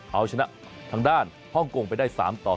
เอาชนะทางด้านพร่งกงได้๓๐